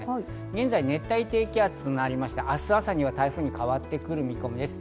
現在、熱帯低気圧がありまして明日朝には台風に変わってくる見込みです。